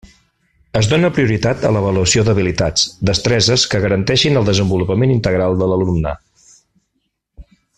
Es dóna prioritat a l'avaluació d'habilitats, destreses que garanteixin el desenvolupament integral de l'alumne.